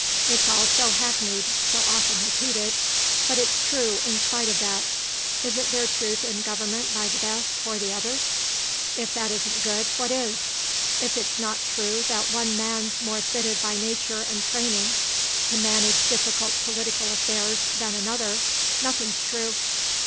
It's all so hackneyed, so often repeated, but it's true in spite of that. Isn't there truth in government by the best for the others? If that isn't good what is? If it's not true that one man's more fitted by nature and training to manage difficult political affairs than another, nothing's true.